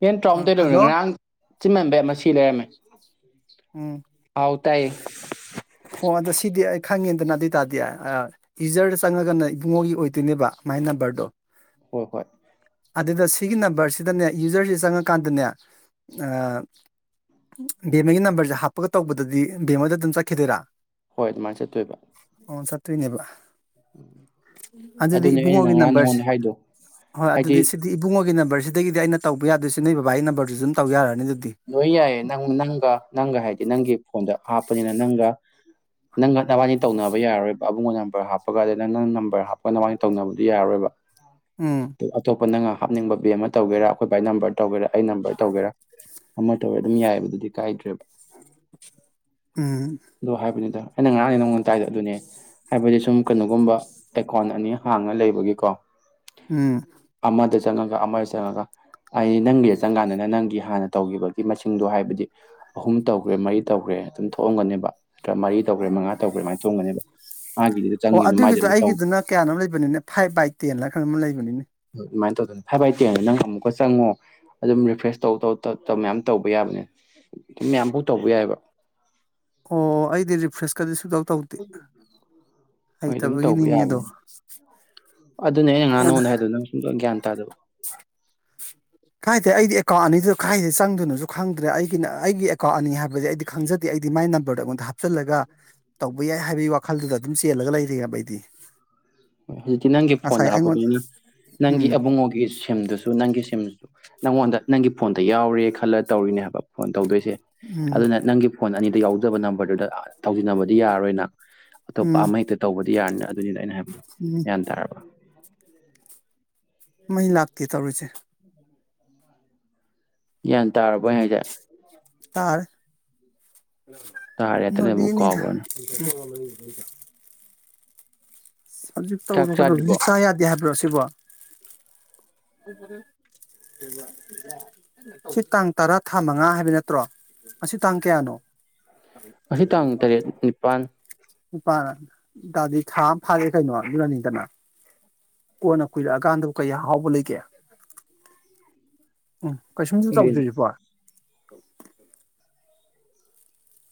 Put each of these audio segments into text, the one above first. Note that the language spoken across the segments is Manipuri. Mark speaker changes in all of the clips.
Speaker 1: ꯍꯦꯟ
Speaker 2: ꯎꯝ
Speaker 1: ꯇꯔꯥꯍꯨꯝꯗꯣꯏ ꯂꯧꯣꯏꯅ
Speaker 2: ꯍꯜꯂꯣ
Speaker 1: ꯉꯔꯥꯡ ꯆꯤꯟꯃꯟꯕ ꯃꯁꯤ ꯁꯤꯗꯦ ꯑꯃ
Speaker 2: ꯎꯝ
Speaker 1: ꯐꯥꯎ ꯇꯥꯏꯦ
Speaker 2: ꯍꯣ ꯑꯗꯣ ꯁꯤꯗꯤ ꯑꯩ ꯈꯪꯉꯦꯗꯅ ꯑꯗꯨ ꯑꯣꯏꯏꯇꯥꯔꯗꯤ ꯏꯖꯔꯗ ꯆꯪꯉꯒꯅ ꯏꯕꯨꯡꯉꯣꯒꯤ ꯑꯣꯏꯗꯣꯏꯅꯦꯕ ꯃꯥꯏ ꯅꯝꯕꯔꯗꯣ
Speaker 1: ꯍꯣꯏ ꯍꯣꯏ
Speaker 2: ꯑꯗꯨꯗ ꯁꯤꯒꯤ ꯅꯝꯕꯔꯁꯤꯗꯅꯦ ꯌꯨꯖꯔꯁꯤꯦ ꯆꯪꯉꯀꯥꯟꯗꯅꯦ ꯕꯦꯝ ꯃꯒꯤ ꯅꯝꯕꯔꯁꯦ ꯍꯥꯞꯄꯒ ꯇꯧꯕꯗꯗꯤ ꯕꯦꯝꯃꯣꯏꯗ ꯑꯗꯨꯝ ꯆꯠ ꯈꯈꯤꯦꯗꯔꯥ
Speaker 1: ꯍꯣꯏ ꯑꯗꯨꯃꯥꯏꯅ ꯆꯠꯇꯣꯏꯕ
Speaker 2: ꯑꯣ ꯆꯠꯇꯣꯏꯅꯦꯕ ꯑꯗꯨꯗꯤ
Speaker 1: ꯑꯗꯨꯅꯦ ꯑꯩꯅ
Speaker 2: ꯏꯕꯨꯡꯉꯣꯒꯤ
Speaker 1: ꯉꯔꯥꯡ
Speaker 2: ꯅꯝꯕꯔꯁꯦ
Speaker 1: ꯅꯉꯣꯟꯗ ꯍꯥꯏꯗꯣ
Speaker 2: ꯍꯣꯏ ꯑꯗꯨꯗꯤ
Speaker 1: ꯍꯥꯏꯗꯤ
Speaker 2: ꯁꯤꯗꯤ ꯏꯕꯨꯡꯉꯣꯒꯤ ꯅꯝꯕꯔꯁꯤꯗꯒꯤꯗꯤ ꯑꯩꯅ ꯇꯧ ꯕꯨ ꯌꯥꯗꯣꯏ ꯁꯤ ꯅ ꯕꯥ ꯅꯝꯕꯔꯗꯨ ꯑꯗꯨꯝꯧ ꯌꯥꯔꯅꯤ ꯑꯗꯨ
Speaker 1: ꯂꯣꯏ ꯌꯥꯏꯌꯦꯦ ꯅꯪ ꯅꯪꯒ ꯅꯪꯒ ꯍꯥꯏꯗꯤ ꯅꯪꯒꯤ ꯐꯣꯟꯗ ꯍꯥꯞꯄꯅꯤꯅ ꯅꯪꯒ ꯅꯪꯒ ꯅꯕꯥꯅꯤ ꯇꯧꯅꯕ ꯌꯥꯔꯔꯣꯏꯕ ꯑꯕꯨꯡꯉ ꯅꯝꯕꯔ ꯍꯥꯞꯄꯒ ꯑꯗꯨꯗ ꯅꯪ ꯅꯪ ꯅꯝꯕꯔ ꯍꯥꯞꯄꯒ ꯅꯕꯥꯅꯤ ꯇꯧꯅꯕꯗꯨ ꯌꯥꯔꯔꯣꯏꯕ
Speaker 2: ꯎꯝ
Speaker 1: ꯑꯇꯣꯞꯄ ꯅꯥ ꯍꯥꯞꯅꯤꯡꯕ ꯕꯤ ꯑꯃ ꯇꯧꯒꯦꯔꯥ ꯑꯩꯈꯣꯏ ꯕꯥꯏ ꯅꯝꯕꯔ ꯇꯧꯒꯦꯔꯥ ꯑꯩ ꯅꯝꯕꯔ ꯇꯧꯒꯦꯔꯥ ꯑꯃ ꯇꯧꯋꯦ ꯑꯗꯨꯝ ꯌꯥꯏꯑꯕꯗꯨꯗꯤ ꯀꯥꯏꯗ꯭ꯔꯦꯕ
Speaker 2: ꯎꯝ
Speaker 1: ꯑꯗꯣ ꯍꯥꯏꯕꯅꯤꯗ ꯑꯩꯅ ꯉꯔꯥꯡꯅꯦ ꯅꯪꯉꯣꯟ ꯇꯥꯏꯗ ꯑꯗꯨꯅꯦ ꯍꯥꯏꯕꯗꯤ ꯁꯨꯝ ꯀꯩꯅꯣꯒꯨꯝꯕ ꯑꯦꯀꯥꯎꯟ ꯑꯅꯤ ꯍꯥꯡꯉ ꯂꯩꯕꯒꯤꯀꯣ
Speaker 2: ꯎꯝ
Speaker 1: ꯑꯃꯗ ꯆꯪꯉꯒ ꯑꯃꯗ ꯆꯪꯉꯒ ꯑꯩꯗꯤ ꯅꯪꯒꯤꯗ ꯆꯪꯀꯥꯟꯗꯅ ꯅꯪꯒꯤ ꯍꯥꯟꯅ ꯇꯧꯈꯤꯕꯒꯤ ꯃꯁꯤꯡꯗꯣ ꯍꯥꯏꯕꯗꯤ ꯑꯍꯨꯝ ꯇꯧꯈ꯭ꯔꯦ ꯃꯔꯤ ꯇꯧꯈ꯭ꯔꯦ ꯑꯗꯨꯝ ꯊꯣꯛꯑꯝꯒꯅꯦꯕ ꯅꯠꯇ꯭ꯔ ꯃꯔꯤ ꯇꯧꯈ꯭ꯔꯦ ꯃꯉꯥ ꯇꯧꯈ꯭ꯔꯦ ꯃꯥꯏ ꯆꯣꯡꯒꯅꯦꯕ
Speaker 2: ꯑꯣ ꯑꯗꯨꯒꯤꯗꯣ ꯑꯩꯒꯤꯗꯨꯅ ꯀꯌꯥꯅꯣ ꯂꯩꯕꯅꯤꯅꯦ ꯐꯥꯏꯚ ꯕꯥꯏ ꯇꯦꯟ ꯍꯥꯏ ꯈ ꯑꯃ ꯂꯩꯕꯅꯤꯅꯦ
Speaker 1: ꯊꯕꯥꯏꯇꯦꯅ ꯅꯪ ꯑꯃꯨꯛꯀ ꯆꯪꯉꯣ ꯑꯗꯨꯝ ꯔꯤꯐ꯭ꯔꯦꯁ ꯇꯧ ꯇꯧ ꯇ ꯃꯌꯥꯝ ꯇꯧꯕ ꯌꯥꯕꯅꯦ ꯑꯗꯨ ꯃꯌꯥꯝ ꯐꯥꯎ ꯇꯧꯕ ꯌꯥꯏꯑꯕ
Speaker 2: ꯑꯣ ꯑꯩꯗꯤ ꯔꯤꯐ꯭ꯔꯦꯁ ꯀꯔꯤꯁꯨ
Speaker 1: ꯍꯣꯏ ꯑꯗꯨꯝ ꯇꯧꯕ
Speaker 2: ꯍꯩꯇꯕꯒꯤꯅꯤ ꯃꯤ ꯑꯗꯣ
Speaker 1: ꯌꯥꯕꯅꯦ ꯑꯗꯨꯅꯦ ꯑꯩꯅ ꯉꯥꯡ ꯅꯉꯣꯟꯗ ꯍꯥꯏꯗ ꯅꯪ ꯁꯨꯝ ꯒꯌꯥꯟ ꯇ ꯇꯗꯕ
Speaker 2: ꯀꯥꯏꯗꯩ ꯑꯩꯗꯤ ꯑꯦꯀꯥꯎꯟ ꯑꯅꯤꯗꯨꯗ ꯈꯥꯏꯗ ꯆꯪꯗꯨꯅꯁꯨ ꯈꯪꯗ꯭ꯔꯦ ꯑꯩꯒꯤ ꯑꯩꯒꯤ ꯑꯦꯀꯥꯎꯟ ꯑꯅꯤ ꯍꯥꯏꯕꯗꯤ ꯑꯩꯗꯤ ꯈꯪꯖꯗꯦ ꯑꯩꯗꯤ ꯃꯥꯏ ꯅꯝꯕꯔꯗ ꯑꯩꯉꯣꯟꯗ ꯍꯥꯞꯆꯜꯂꯒ ꯇꯧꯕ ꯌꯥꯏ ꯍꯥꯏꯕꯒꯤ ꯋꯥꯈꯜꯗꯨꯗ ꯑꯗꯨꯝ ꯆꯦꯜꯂꯒ ꯂꯩꯔꯤ ꯍꯥꯏꯕ ꯑꯩꯗꯤ
Speaker 1: ꯍꯧꯖꯤꯛꯇꯤ ꯅꯪꯒꯤ
Speaker 2: ꯉꯁꯥꯏ
Speaker 1: ꯐꯣꯟꯗ
Speaker 2: ꯑꯩꯉꯣꯟꯗ
Speaker 1: ꯍꯥꯞꯄꯕꯅꯤꯅ
Speaker 2: ꯎꯝ
Speaker 1: ꯅꯪꯒꯤ ꯑꯕꯨꯡꯉꯣꯒꯤ ꯁꯤꯝꯗꯨꯁꯨ ꯅꯪꯒꯤ ꯁꯤꯝ ꯅꯪꯉꯣꯟꯗ ꯅꯪꯒꯤ ꯐꯣꯟꯗ ꯌꯥꯎꯔꯦ ꯈꯜꯂ ꯇꯧꯔꯤꯅꯦ ꯍꯥꯏꯕ ꯐꯣꯟ ꯇꯧꯗꯣꯏꯁꯦ
Speaker 2: ꯎꯝ
Speaker 1: ꯑꯗꯨꯅ ꯅꯪꯒꯤ ꯐꯣꯟ ꯑꯅꯤ ꯑ ꯌꯥꯎꯖꯕ ꯅꯝꯕꯔꯗꯨꯗ ꯇꯧꯁꯤꯟꯅꯕꯗꯤ ꯌꯥꯔꯔꯣꯏꯅ ꯑꯇꯣꯞꯄ
Speaker 2: ꯎꯝ
Speaker 1: ꯑꯃꯍꯦꯛꯇ ꯇꯧꯕꯗꯤ ꯌꯥꯔꯅꯤꯅ ꯑꯗꯨꯅꯤꯅ ꯑꯩꯅ ꯍꯥꯏꯕꯗꯣ
Speaker 2: ꯎꯝ
Speaker 1: ꯒ꯭ꯌꯥꯟ ꯇꯥꯔꯕ
Speaker 2: ꯃꯩ ꯂꯥꯛꯇꯦ ꯇꯧꯔꯤꯨꯁꯦ
Speaker 1: ꯒ꯭ꯌꯥꯟ ꯇꯥꯔꯕ ꯍꯥꯏꯁꯦ
Speaker 2: ꯇ
Speaker 1: ꯇꯥꯔꯦ ꯇꯠꯂꯦ ꯑꯃꯨꯛ
Speaker 2: ꯅꯗꯤꯅꯤꯗ
Speaker 1: ꯀꯥꯎꯈ꯭ꯔꯅꯤ
Speaker 2: ꯑꯣꯏꯣꯏꯗ
Speaker 1: ꯆꯥꯛ ꯆꯥꯗ꯭ꯔꯤꯕꯣ
Speaker 2: ꯍꯗꯤ ꯍꯥꯏꯕꯤꯕ꯭ꯔ ꯁꯤꯕ ꯁꯤ ꯇꯥꯡ ꯇꯔꯥ ꯊꯥ ꯃꯉꯥ ꯍꯥꯏꯕ ꯅꯠꯇ꯭ꯔꯣ ꯑꯁꯤ ꯇꯥꯡ ꯀꯌꯥꯅꯣ
Speaker 1: ꯉ ꯇꯥꯡ ꯇꯔꯦꯠ ꯅꯤꯄꯥꯜ
Speaker 2: ꯅꯨꯄꯥꯅ ꯗꯥꯗꯤ ꯊꯥ ꯑꯃ ꯐꯥꯔꯑꯦ ꯀꯩꯅꯣ ꯑꯗꯨꯔꯅꯤꯡꯗꯅ ꯀꯣꯟꯅ ꯀꯨꯏꯔꯛꯑꯀꯥꯟꯗꯕꯨ ꯀꯩ ꯍꯥꯎꯕ ꯂꯩꯇ ꯑ ꯀꯌꯥ ꯎꯝ ꯀꯩꯁꯨꯝꯁꯨ
Speaker 1: ꯀꯩꯅꯣ
Speaker 2: ꯇꯧꯖꯩꯔꯤꯕꯣ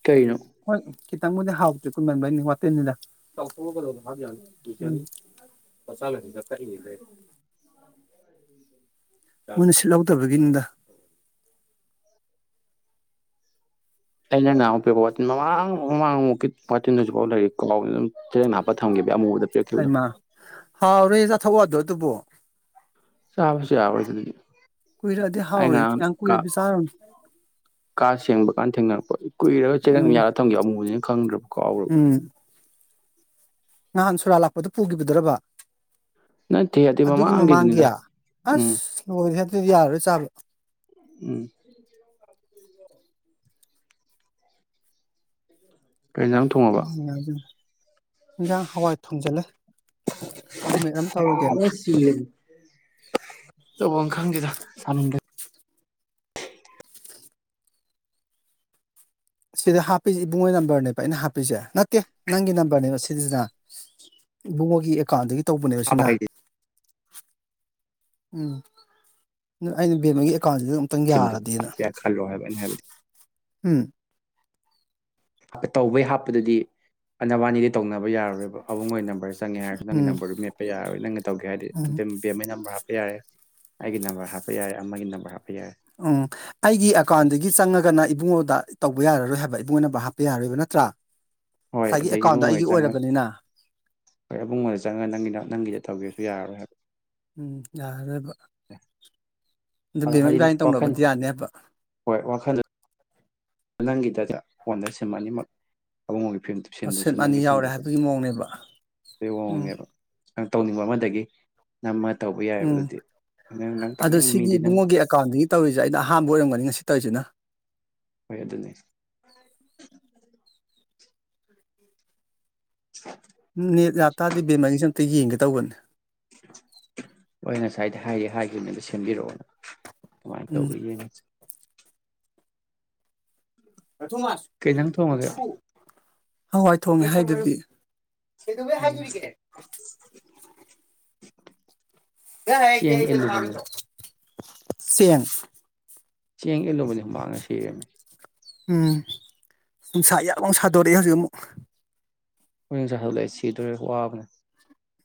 Speaker 1: ꯀꯩꯩꯅꯣ
Speaker 2: ꯍꯣꯏ ꯀꯈꯤꯇꯪ ꯃꯗꯦ ꯍꯥꯎꯗ꯭ꯦ ꯀꯟꯃꯅꯤ ꯋꯥꯦꯅꯤ ꯌꯥ ꯊꯀꯦꯅꯤ ꯄ ꯆꯂꯦ ꯊ ꯀꯥꯏ ꯐ ꯃꯣꯏꯅ ꯁꯤꯠ ꯂꯧꯗꯕꯒꯤꯅꯤꯗ
Speaker 1: ꯑꯩꯅꯅ ꯄꯤꯕ ꯃꯥꯡ ꯃꯃꯥꯡꯨꯀꯤ ꯋꯥꯇꯤꯟꯗꯁꯨ ꯐꯥꯎ ꯂꯩꯔꯤ ꯀꯥꯎꯝ ꯆꯤꯔꯦꯛ ꯍꯥꯞꯄ ꯊꯝꯈꯤꯕ ꯌꯥꯝꯃꯨꯕꯗ ꯐꯤꯦꯛꯈꯤꯕꯗꯣ
Speaker 2: ꯍꯥꯎ ꯔꯦ ꯆꯥ ꯊꯕ ꯋꯥꯗꯣ ꯑꯗꯨꯕꯨꯣ
Speaker 1: ꯆꯥꯕꯁꯨ ꯌꯥꯔꯣꯏ ꯑꯗꯨꯗꯤ
Speaker 2: ꯀꯨꯏꯔꯛꯑꯗꯤ
Speaker 1: ꯑꯩ
Speaker 2: ꯍꯥꯎꯔꯣꯏ
Speaker 1: ꯉꯔꯥꯡ
Speaker 2: ꯌꯥꯝ
Speaker 1: ꯀ
Speaker 2: ꯀꯨꯏꯔꯗꯤ ꯆꯥꯔꯨꯅꯨ
Speaker 1: ꯀꯥ ꯁꯦꯡꯕ ꯀꯥꯟ ꯊꯦꯡꯅꯔ [inaudible] ꯀꯨꯏꯔꯒ ꯆꯩꯔꯪ
Speaker 2: ꯎꯝ
Speaker 1: ꯌꯥꯔꯒ ꯊꯝꯒꯦ ꯑꯃꯨꯕꯅꯤꯅ ꯈꯪꯗ꯭ꯔꯕ ꯀꯥꯎꯕ
Speaker 2: ꯎꯝ ꯅꯍꯥꯟ ꯁꯨꯔꯥ ꯂꯥꯛꯄꯗꯨ ꯄꯨꯈꯤꯕꯗꯕ
Speaker 1: ꯅꯠꯇꯦ ꯑꯗꯨꯏ
Speaker 2: ꯑꯗꯨꯒꯤ
Speaker 1: ꯃꯃꯥꯡꯒꯤꯗꯨꯅꯤꯗ
Speaker 2: ꯃꯃꯥꯡꯒꯤꯌꯥ
Speaker 1: ꯎꯝ
Speaker 2: ꯑꯁ ꯗꯤ ꯌꯥꯔꯣꯏ ꯆꯥꯂꯣ
Speaker 1: ꯎꯝ ꯀꯩ ꯏꯟꯖꯥꯡ
Speaker 2: ꯑꯣ
Speaker 1: ꯊꯣꯡꯉꯕ
Speaker 2: ꯑꯗꯨ ꯌꯥ ꯍꯋꯥꯏ ꯊꯣꯡꯖꯤꯜꯂꯦ ꯀꯥ ꯃꯠ ꯑꯃ ꯇꯧꯔꯒꯦꯅ
Speaker 1: ꯇꯧꯕꯝ ꯈꯪꯗꯦꯗ ꯁꯝꯗ
Speaker 2: ꯁꯤꯗ ꯍꯥꯞꯄꯤꯁꯦ ꯏꯕꯨꯡꯉꯣꯏꯒꯤ ꯅꯝꯕꯔꯅꯦꯕ ꯑꯩꯅ ꯍꯥꯞꯄꯤꯁꯦ ꯅꯠꯇꯦ ꯅꯪꯒꯤ ꯅꯝꯕꯔꯅꯦꯕ ꯁꯤꯁꯤꯅ ꯏꯕꯨꯡꯉꯣꯒꯤ ꯑꯦꯀꯥꯎꯟꯗꯒꯤ ꯇꯧꯕꯅꯦꯕ
Speaker 1: ꯍꯥꯞꯄ
Speaker 2: ꯁꯤꯅ
Speaker 1: ꯍꯥꯏꯗꯤ
Speaker 2: ꯎꯝ ꯑꯩꯅ ꯕꯦꯝꯃꯒꯤ ꯀꯥꯟꯁꯤꯗ ꯑꯃꯨꯛꯇꯪ
Speaker 1: ꯁꯤꯝꯗꯣ
Speaker 2: ꯌꯥꯔꯗꯤꯦꯅ
Speaker 1: ꯍꯥꯞꯄ ꯌꯥꯏ ꯈꯜꯂꯣ ꯍꯥꯏꯕ ꯑꯩꯅ ꯍꯥꯏꯕꯗꯤ
Speaker 2: ꯎꯝ
Speaker 1: ꯇꯧꯕꯩ ꯍꯥꯞꯄꯗꯨꯗꯤ ꯑꯅꯕꯥꯅꯤꯗꯤ ꯇꯧꯅꯕ ꯌꯥꯔꯔꯣꯏꯕ ꯑꯕꯨꯡ ꯑꯣꯏꯅꯔ ꯆꯪꯉꯦ ꯍꯥꯏꯔꯁꯨ ꯅꯪꯒꯤ
Speaker 2: ꯎꯝ
Speaker 1: ꯅꯝꯕꯔꯗꯨ ꯃꯦꯞꯄ ꯌꯥꯔꯣꯏ ꯅꯪꯅ ꯇꯧꯒꯦ ꯍꯥꯏꯗꯤ
Speaker 2: ꯎꯝ
Speaker 1: ꯦꯝꯩ ꯅꯝꯕꯔ ꯍꯥꯞꯄ ꯌꯥꯔꯦ ꯑꯩꯒꯤ ꯅꯝꯕꯔ ꯍꯥꯞꯄ ꯌꯥꯔꯦ ꯑꯃꯒꯤ ꯅꯝꯕꯔ ꯍꯥꯞꯄ ꯌꯥꯔꯦ
Speaker 2: ꯎꯝ ꯑꯩꯒꯤ ꯑꯦꯀꯥꯎꯟꯗꯒꯤ ꯆꯪꯉꯒꯅ ꯏꯕꯨꯡꯉꯣꯗ ꯇꯧꯕ ꯌꯥꯔꯔꯣꯏ ꯍꯥꯏꯕ ꯏꯕꯨꯡꯅꯕ ꯍꯥꯞꯄ ꯌꯥꯔꯣꯏꯕ ꯅꯠꯇ꯭ꯔꯥ
Speaker 1: ꯍꯣꯏ
Speaker 2: ꯉꯁꯥꯏꯒꯤ
Speaker 1: ꯑꯗꯒꯤ
Speaker 2: ꯑꯦꯀꯥꯎꯟꯗꯣ ꯑꯩꯒꯤ
Speaker 1: ꯏꯕꯨꯡꯉꯣꯗ ꯆꯪꯉ
Speaker 2: ꯑꯣꯏꯔꯕꯅꯤꯅ
Speaker 1: ꯍꯣꯏ ꯏꯕꯨꯡꯉꯣꯗ ꯆꯪꯉꯒ ꯅꯪꯒꯤ ꯅꯪꯒꯤꯗ ꯇꯧꯒꯦꯁꯨ ꯌꯥꯔꯔꯣꯏ ꯍ
Speaker 2: ꯎꯝ ꯌꯥꯔꯔꯣꯏꯕ ꯑꯗꯨ
Speaker 1: ꯑꯗꯣ
Speaker 2: ꯚꯦꯝꯃ
Speaker 1: ꯍꯥꯏꯗꯤ
Speaker 2: ꯏꯥꯏꯅ
Speaker 1: ꯋꯥꯈꯜ
Speaker 2: ꯇꯧꯅꯕꯗꯤ ꯌꯥꯅꯦ ꯍꯥꯏꯕ
Speaker 1: ꯍꯣꯏ ꯋꯥꯈꯜ ꯅꯪꯒꯤꯗꯗꯤ ꯐꯣꯟꯗ ꯁꯤꯝ ꯑꯅꯤꯃꯛ ꯑꯕꯨꯡ ꯑꯣꯏꯕ
Speaker 2: ꯁꯦꯠ ꯑꯅꯤ ꯌꯥꯎꯔꯦ ꯍꯥꯏꯕꯒꯤ ꯃꯑꯣꯡꯅꯦꯕ
Speaker 1: ꯂꯣꯏ
Speaker 2: ꯎꯝ
Speaker 1: ꯋꯥꯡꯉꯦꯕ ꯇꯧꯅꯤꯡꯕ ꯑꯃꯗꯒꯤ ꯅ
Speaker 2: ꯎꯝ ꯑꯗꯣ ꯁꯤꯒꯤ
Speaker 1: ꯃꯤꯗꯤ ꯅꯪ
Speaker 2: ꯏꯕꯨꯡꯉꯣꯒꯤ ꯑꯦꯀꯥꯎꯟꯗꯒꯤ ꯇꯧꯔꯤꯁꯦ ꯑꯩꯅ ꯑꯍꯥꯟꯕ ꯑꯣꯏꯔꯝꯒꯅꯤ ꯉꯁꯤ ꯇꯧꯔꯤꯁꯤꯅ
Speaker 1: ꯍꯣꯏ ꯑꯗꯨꯅꯦ ꯑ
Speaker 2: ꯅꯦꯠ ꯌꯥꯇꯥꯔꯗꯗꯤ ꯕꯦꯝ ꯃꯔꯤꯁꯦ ꯑꯝꯇ ꯌꯦꯡꯒꯦ ꯇꯧꯕꯅꯦ
Speaker 1: ꯍ ꯉꯁꯥꯏꯗ ꯍꯥꯏꯔꯤ ꯍꯥꯏꯈꯤꯕꯅꯦꯕ ꯁꯦꯝꯕꯤꯔꯛꯑꯣꯅ ꯀꯃꯥꯏꯅ ꯇꯧꯕ
Speaker 2: ꯎꯝ
Speaker 1: ꯌꯦꯦ ꯅꯁ
Speaker 2: ꯀꯊ ꯃꯥꯁ
Speaker 1: ꯀꯩ ꯅꯪ ꯊꯣꯡꯉꯒꯦ
Speaker 2: ꯍꯋꯥꯏ ꯊꯣꯡꯉꯦ ꯍꯥꯏꯗꯨꯗꯤ ꯀꯩꯗꯨꯋ
Speaker 1: ꯎꯝ
Speaker 2: ꯍꯥꯏꯗꯔꯤꯒꯦ
Speaker 1: ꯆꯦꯡ
Speaker 2: ꯍ
Speaker 1: ꯏꯜꯂꯨꯕꯅꯦ
Speaker 2: ꯊ ꯆꯦꯟ
Speaker 1: ꯆꯦꯡꯒꯂꯣꯕ ꯋꯥꯉ ꯁꯔꯃꯦ
Speaker 2: ꯎꯝ ꯅꯨꯡꯁꯥ ꯏ ꯌꯥ ꯑꯃꯥꯎ ꯁꯥꯗꯣꯔꯛꯑꯦ ꯍꯧꯖꯤꯛ ꯑꯃꯨꯛ
Speaker 1: ꯎ ꯆ ꯂꯩ ꯁꯤꯗꯔ ꯋꯥꯕꯅꯦ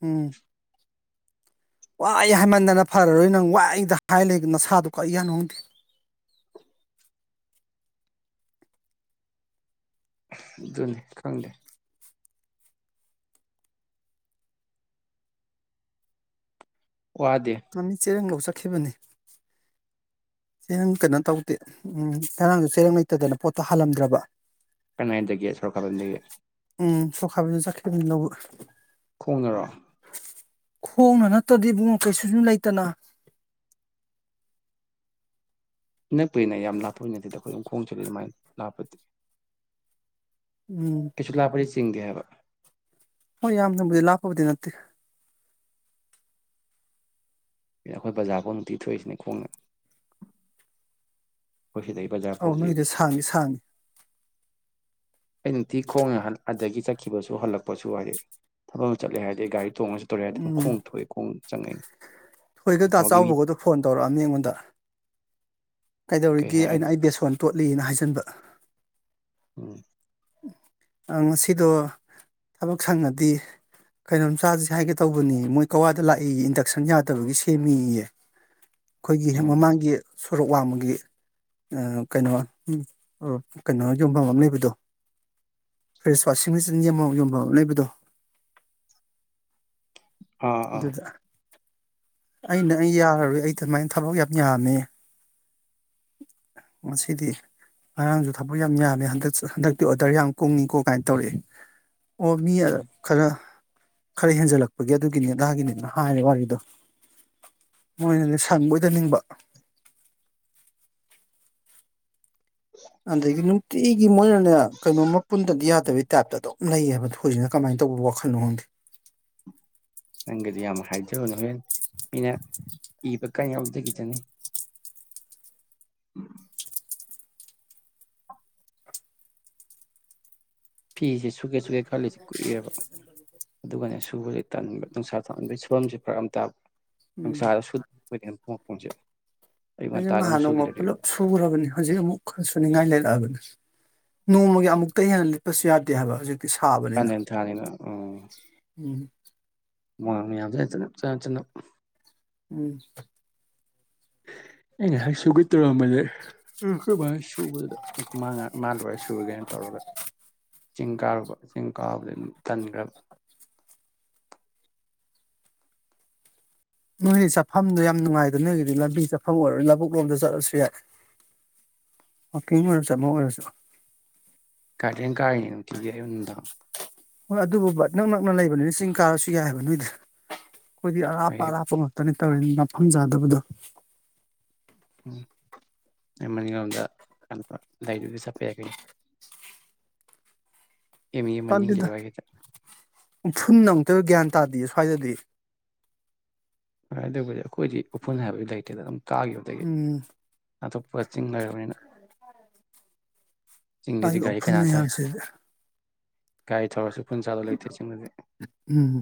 Speaker 2: ꯎꯝ ꯋꯥꯏ ꯍꯥꯏꯃꯟꯗꯅ ꯐꯔꯔꯣꯏ ꯅꯪ ꯋꯥꯏꯗ ꯍꯥꯏꯂꯦ ꯅꯁꯥꯗꯨꯣ ꯀ ꯏ ꯌꯥꯅꯅꯨꯡꯪꯗꯦ
Speaker 1: ꯑꯗꯨꯅꯦ ꯈꯪꯗꯦ ꯋꯥꯗꯦ
Speaker 2: ꯑꯃꯃꯤ ꯆꯦꯔꯒꯧꯁꯦ ꯆꯛꯈꯤꯕꯅꯤ ꯆꯦꯔꯪ ꯀꯩꯅꯣ ꯇꯧꯗꯦ ꯎꯝ ꯉꯔꯥꯡꯗꯣ ꯆꯦꯔꯪ ꯂꯩꯇꯗꯅ ꯄꯣꯠꯇꯣ ꯍꯥꯜꯂꯝꯗ꯭ꯔꯕ
Speaker 1: ꯀꯅꯥꯥꯏꯟꯇꯒꯦ ꯁꯔꯀꯗꯟꯒꯤ
Speaker 2: ꯎꯝ ꯁꯣꯈꯥꯕꯤꯅ ꯆꯈꯤꯗꯕꯅ ꯂꯧꯧꯕ
Speaker 1: ꯈꯣꯡꯉꯔꯣ
Speaker 2: ꯈꯣꯡꯅ ꯅꯠꯇꯗꯤ ꯏꯕꯨꯡꯉ ꯀꯩꯁꯨ ꯁꯨꯝ ꯂꯩꯇꯅ
Speaker 1: ꯅꯛꯄꯅ ꯌꯥꯝ ꯂꯥꯞꯄ ꯑꯣꯏꯅꯗꯤ ꯑꯩꯈ ꯈꯣꯡ ꯆꯠꯔꯤ ꯑꯗꯨꯃꯥꯏꯅ ꯂꯅꯥꯄꯠꯇ
Speaker 2: ꯎꯝ
Speaker 1: ꯀꯁꯨ ꯂ ꯄꯁꯤ ꯆꯤꯡꯒꯦ ꯍꯥꯏꯕ
Speaker 2: ꯍꯣꯏ ꯌꯥꯝꯗꯕꯨꯗꯤ ꯂꯥꯛꯄꯕꯨꯗꯤ ꯅꯠꯇꯦ
Speaker 1: ꯑꯦ ꯑꯩꯈꯣꯏ ꯕꯖꯥꯔ ꯐꯥꯎ ꯅꯨꯡꯇꯤ ꯊꯣꯛꯏꯁꯤꯅꯦ ꯈꯣꯡꯅ ꯑꯩꯈꯣꯏ ꯁꯤꯗꯒꯤ
Speaker 2: ꯑꯥꯎ
Speaker 1: ꯕꯖꯥꯔꯐꯥꯎꯗꯤ
Speaker 2: ꯅꯣꯏꯗ ꯁꯥꯡꯉꯤ ꯁꯥꯡꯉꯤ
Speaker 1: ꯑꯩ ꯅꯨꯡꯇꯤ ꯈꯣꯡꯉꯦ ꯍ ꯑꯗꯒꯤ ꯆꯠꯈꯤꯕꯁꯨ ꯍꯜꯂꯛꯄꯁꯨ ꯍꯥꯏꯗꯤ ꯊꯕꯛ ꯆꯠꯂꯦ ꯍꯥꯏꯔꯗꯤ ꯒꯥꯔꯤ ꯇꯣꯡꯉꯁꯨ ꯇꯧꯔꯦ ꯍꯥꯏꯔꯗꯤ ꯑꯗꯨꯝ
Speaker 2: ꯎꯝ
Speaker 1: ꯈꯣꯡ ꯊꯣꯛꯑꯦ ꯈꯣꯡ ꯆꯪꯉꯛꯏ
Speaker 2: ꯍꯣꯏꯒꯗ
Speaker 1: ꯁꯤꯐꯥꯎꯒꯤ ꯃꯤ
Speaker 2: ꯆꯥꯎꯕꯒꯗ ꯐꯣꯟ ꯇꯧꯔꯛꯑꯃꯤ ꯑꯩꯉꯣꯟꯗ
Speaker 1: ꯀꯩ
Speaker 2: ꯀꯩꯗꯧꯔꯤꯒꯦ ꯑꯩꯅ
Speaker 1: ꯍꯥꯏꯔꯅꯤ
Speaker 2: ꯑꯩ ꯕꯦꯁꯣꯟ ꯇꯣ ꯂꯩꯅ ꯍꯥꯏꯖꯟꯕ
Speaker 1: ꯎꯝ
Speaker 2: ꯉꯁꯤꯗꯣ ꯊꯕꯛ ꯁꯪꯉꯗꯤ ꯀꯩꯅꯣꯝꯆꯥꯁꯤꯦ ꯍꯥꯏꯒꯦ ꯇꯧꯕꯅꯤ ꯃꯣꯏ ꯀꯋꯥꯏꯗ ꯂꯥꯛꯏ ꯏꯟꯗꯛꯁꯟ ꯌꯥꯗꯕꯒꯤ ꯁꯦꯝꯃꯤꯌꯦ ꯑꯩꯈꯣꯏꯒꯤ
Speaker 1: ꯎꯝ
Speaker 2: ꯃꯃꯥꯡꯒꯤ ꯁꯣꯔꯣꯛ ꯋꯥꯡꯃꯒꯤ ꯀꯩꯅꯣ ꯀꯩꯅꯣ ꯌꯣꯟꯐꯝ ꯑꯃ ꯂꯩꯕꯗꯣ ꯐ꯭ꯔꯤꯖ ꯋꯥꯁꯤꯡ ꯃꯦꯆꯤꯟꯒꯤ ꯑꯃꯨ ꯌꯣꯟꯐꯝ ꯂꯩꯕꯗꯣ
Speaker 1: ꯑꯥ ꯑꯥ
Speaker 2: ꯑꯗꯨꯗ ꯑꯩꯅ ꯑꯩ ꯌꯥꯔꯔꯣꯏ ꯑꯩ ꯑꯗꯨꯃꯥꯏꯅ ꯊꯕꯛ ꯌꯥꯝ ꯌꯥꯝꯃꯦ ꯉꯁꯤꯗꯤ ꯉꯔꯥꯡꯁꯨ ꯊꯕꯛ ꯌꯥꯝ ꯌꯥꯝꯃꯦ ꯍꯟꯗꯛꯁꯨ ꯍꯟꯗꯛꯇꯤ ꯑꯣꯔꯗꯔ ꯌꯥꯝ ꯀꯨꯡꯏꯀꯣ ꯀꯥꯏꯅ ꯇꯧꯔꯛꯦ ꯑꯣ ꯃꯤ ꯑ
Speaker 1: ꯎꯝ
Speaker 2: ꯈꯔ ꯈꯔ ꯍꯦꯟꯖꯜꯂꯛꯄꯒꯤ ꯑꯗꯨꯒꯤꯅꯤ ꯑꯗꯥꯒꯤꯅꯤꯅ ꯍꯥꯏꯔꯦ ꯋꯥꯔꯤꯗꯣ ꯃꯣꯏꯅꯗꯤ ꯁꯪꯕꯣꯏꯗꯅꯤꯡꯕ ꯑꯗꯒꯤ ꯑꯒꯤ ꯃꯣꯏꯅꯅꯦ ꯀꯩꯅꯣꯝꯃ ꯄꯨꯟꯗꯕꯗꯤ ꯌꯥꯗꯕꯩ ꯇꯥꯏꯞꯇ ꯑꯗꯨꯝ ꯂꯩꯌꯦꯕ ꯍꯧꯖꯤꯛꯅ ꯀꯃꯥꯏꯅ ꯇꯧꯕ ꯋꯥꯈꯜꯅꯣ ꯈꯪꯗꯦ
Speaker 1: ꯅꯪꯒꯗꯤ ꯌꯥꯝ ꯍꯥꯏꯖꯔꯨ ꯅꯣꯔꯦꯟ ꯃꯤꯅ ꯏꯕ ꯀ ꯌꯥꯎꯗꯒꯈꯤꯆꯅꯤ ꯎꯝ ꯐꯤꯁꯦ ꯁꯨꯛꯀꯦ ꯁꯨꯀꯦ ꯈꯜꯂꯤꯁꯦ ꯀꯨꯏꯑꯕ ꯑꯗꯨꯒꯅꯦ ꯁꯨꯕꯁꯦ ꯇꯍꯟꯕ ꯅꯨꯡꯁꯥ ꯊꯥꯍꯟꯕꯒꯤ ꯁꯨꯕꯐꯝꯁꯦ ꯐꯔꯛ ꯑꯃ ꯇꯥꯕ
Speaker 2: ꯎꯝ
Speaker 1: ꯅꯨꯡꯁꯥꯗ ꯁꯨꯣꯡ ꯄꯨꯆꯠ
Speaker 2: ꯑꯩꯁꯨ ꯅꯍꯥꯟ ꯅꯣꯡꯃ ꯄꯨꯜꯂꯞ ꯁꯨꯈ꯭ꯔꯕꯅꯤ ꯍꯧꯖꯤꯛ ꯑꯃꯨꯛ ꯈꯔ ꯁꯨꯅꯤꯡꯉꯥꯏ ꯂꯩꯔꯛꯑꯕꯅꯤ ꯅꯣꯡꯃꯒꯤ ꯑꯃꯨꯛꯇ ꯍꯦꯟꯅ ꯂꯤꯠꯄꯁꯨ ꯌꯥꯗꯦ ꯍꯥꯏꯕ ꯍꯧꯖꯤꯛꯇ
Speaker 1: ꯊꯅ ꯊꯅꯤꯅꯣ ꯎꯝ
Speaker 2: ꯎꯝ
Speaker 1: ꯆ ꯆ ꯆꯅ
Speaker 2: ꯎꯝ
Speaker 1: ꯍꯁꯨꯒꯠꯇꯔ ꯃ ꯁꯨꯕꯗꯨꯗ ꯃꯥ ꯃꯥ ꯂꯣꯏꯔ ꯁꯨꯔꯒꯦꯅ ꯇꯧꯔꯒ ꯆꯤꯡ ꯀꯥꯨꯔꯕ ꯆꯤꯡ ꯀꯥꯕꯗ ꯑꯗꯨꯝ ꯇꯟꯈ꯭ꯔꯕ
Speaker 2: ꯅꯣꯏꯗꯤ ꯆꯠꯐꯝꯗꯣ ꯌꯥꯝ ꯅꯨꯡꯉꯥꯏꯗꯅ ꯅꯣꯏꯒꯤꯗꯤ ꯂꯝꯕꯤ ꯆꯠꯐꯝ ꯑꯣꯏꯔꯁꯨ ꯂꯕꯨꯨꯛ ꯂꯣꯝꯗ ꯆꯠꯂꯁꯨ ꯌꯥꯏ ꯋꯀꯤꯡ ꯑꯣꯏꯔ ꯆꯠꯐꯝ ꯑꯣꯏꯔꯁꯨ
Speaker 1: ꯀꯔꯦꯟ ꯀ ꯊꯤ
Speaker 2: ꯍꯣꯏ ꯑꯗꯨꯕꯨ ꯕ ꯅꯛ ꯅꯛꯅ ꯂꯩꯕꯅꯤꯅ ꯆꯤꯡ ꯀꯥꯔꯁꯨ ꯌꯥꯏꯑꯕ ꯅꯣꯏꯗ ꯑꯩꯈꯣꯏꯗꯤ ꯑꯔꯥꯞꯄ
Speaker 1: ꯑꯩꯈꯣꯏ
Speaker 2: ꯑꯔꯥꯞꯄ ꯉꯛꯇꯇꯅꯤ ꯇꯧꯋꯦ ꯃꯐꯝ ꯆꯥꯗꯕꯗꯣ
Speaker 1: ꯎꯝ ꯃꯅꯤꯡꯂꯣꯝꯗ ꯀꯣ ꯂꯩꯗꯨꯁꯨ ꯆꯠꯄ ꯌꯥꯏ ꯀꯩꯅꯣ ꯑꯦꯝ ꯌꯨ ꯃꯅꯤꯡꯒꯤ
Speaker 2: ꯄꯜꯂꯤꯗ
Speaker 1: ꯑꯗꯨꯋꯥꯏꯒꯤꯗ
Speaker 2: ꯐꯨꯟꯅ ꯑꯃꯨꯛꯇ ꯒ꯭ꯌꯥꯟ ꯇꯥꯗꯦꯁꯨ ꯍꯥꯏꯖꯗꯤ
Speaker 1: ꯀꯃꯥꯏꯅ ꯇꯧꯕꯁꯦ ꯑꯩꯈꯣꯏꯗꯤ ꯎꯐꯨꯟ ꯍꯥꯏꯕꯗꯨ ꯂꯩꯇꯦꯗ ꯑꯗꯨꯝ ꯀꯥꯈꯤꯕꯗꯒꯤ
Speaker 2: ꯎꯝ
Speaker 1: ꯑꯇꯣꯞꯄ ꯆꯤꯡ ꯂꯩꯔꯕꯅꯤꯅ
Speaker 2: ꯑꯩ
Speaker 1: ꯆꯤꯡꯗꯗꯤ ꯒꯥꯔꯤ ꯀꯅꯥ
Speaker 2: ꯑꯣꯐꯝꯟꯅ
Speaker 1: ꯊꯧꯏ
Speaker 2: ꯍꯥꯏꯁꯤꯗꯦ
Speaker 1: ꯒꯥꯔꯤ ꯊꯧꯔꯁꯨ ꯄꯨꯟ ꯆꯥꯕ ꯂꯩꯇꯦ ꯆꯁꯤꯡꯅꯁꯦ
Speaker 2: ꯎꯝ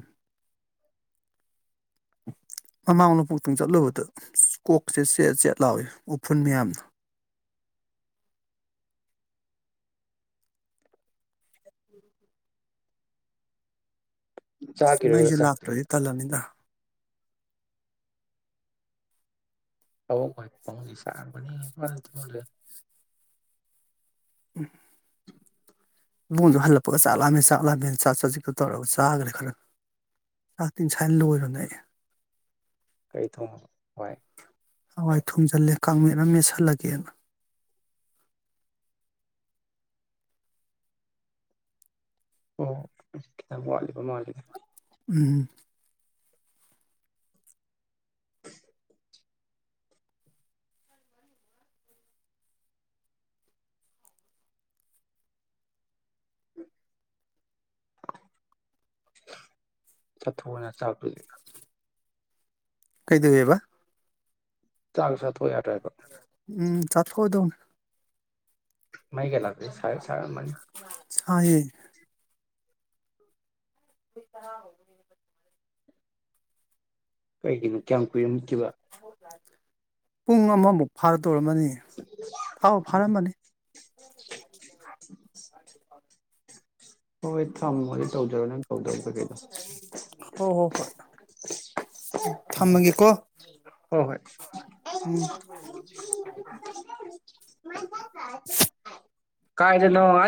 Speaker 2: ꯃꯃꯥꯡ ꯅꯄꯣꯛꯛꯇꯪ ꯆꯠꯂꯨꯕꯗ ꯀ ꯀꯣꯛꯁꯦ ꯆꯦꯠ ꯆꯦꯠ ꯂꯥꯎꯏ ꯎꯐꯨꯜ ꯃꯌꯥꯝꯅ
Speaker 1: ꯆꯥꯈꯤꯔꯣꯏꯕ
Speaker 2: ꯃꯩꯁꯦ
Speaker 1: ꯆꯥꯛꯇꯤ
Speaker 2: ꯂꯥꯛꯇ꯭ꯔꯗꯤ ꯇꯜꯂꯅꯤꯗ
Speaker 1: ꯑꯣꯏ ꯐꯥꯎ ꯁꯔꯕꯅꯤ ꯃꯔꯦ
Speaker 2: ꯎꯝ ꯏꯕꯣꯟꯗꯣ ꯍꯜꯂꯛꯄꯒ ꯆꯥꯛ ꯂꯥꯝꯃꯦ ꯆꯥꯛ ꯂꯥꯛꯥꯝꯃꯦ ꯆꯥꯛ ꯆꯥꯖꯤꯛꯇꯣ ꯇꯧꯔꯒ ꯆꯥꯈ꯭ꯔꯦ ꯈꯔ ꯆꯥꯛꯇꯤꯟ ꯁꯋꯥꯥꯏꯅ ꯂꯣꯏꯔꯣꯅꯦ ꯑꯩ
Speaker 1: ꯀꯔꯤ ꯊꯣꯡ ꯋꯥꯏ
Speaker 2: ꯍꯋꯥꯏ ꯊꯣꯡꯖꯤꯜꯂꯦ ꯀꯥꯡꯃꯠ ꯑꯃ ꯃꯦꯠꯁꯤꯜꯂꯒꯦꯅ
Speaker 1: ꯑꯣ ꯑꯩ ꯈꯤꯇꯪ ꯋꯥꯠꯂꯤꯕ ꯃꯥꯜꯂꯤꯦꯗ
Speaker 2: ꯎꯝ
Speaker 1: ꯑꯊꯨꯅ ꯆꯥꯛ
Speaker 2: ꯑꯗꯦꯕ
Speaker 1: ꯆꯥꯒꯁꯊ ꯑꯣꯏ ꯌꯥ ꯇ꯭ꯔꯥꯏꯕ
Speaker 2: ꯎꯝ ꯆꯠꯈꯗꯧꯅꯦ
Speaker 1: ꯃ ꯀꯦ ꯅ ꯑꯗꯨ ꯁ ꯁꯔ ꯃꯥꯅꯤ
Speaker 2: ꯍꯥꯏꯑ [unintelligible]
Speaker 1: ꯀꯩꯒꯤꯅꯣ ꯀꯌꯥꯝ ꯀꯨꯏꯔꯝꯈꯤꯕ
Speaker 2: ꯄꯨꯡ ꯑꯃꯃꯨꯛ ꯐꯥ ꯇꯧꯔꯝꯃꯅꯤ ꯐꯥꯎꯑꯣ ꯐꯥꯔꯝꯃꯅꯤ
Speaker 1: ꯍ ꯊꯝ ꯇꯧꯖꯔ
Speaker 2: ꯍꯣꯏ ꯍꯣꯏ ꯍꯣꯏ ꯎꯝ ꯊꯝꯃꯒꯦꯀꯣ
Speaker 1: ꯍꯣꯏ ꯍꯣꯏ
Speaker 2: ꯎꯝ
Speaker 1: ꯍ ꯀꯣ ꯀꯥꯏꯗꯅ ꯑ